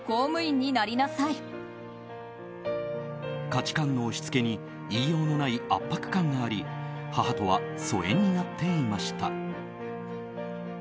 価値観の押しつけに言いようのない圧迫感があり母とは疎遠になっていました。